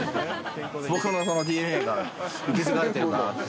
僕のＤＮＡが受け継がれてるから。